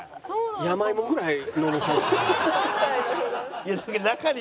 山芋ぐらいの重さですね。